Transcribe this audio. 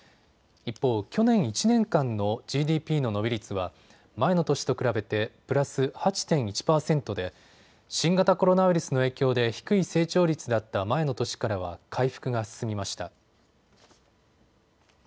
一方、去年１年間のＧＤＰの伸び率は前の年と比べてプラス８．１％で新型コロナウイルスの影響で低い成長率だった前の年からは回復が進みました。